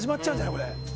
これ。